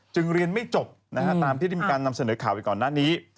เรียนไม่จบตามที่ได้มีการนำเสนอข่าวไปก่อนหน้านี้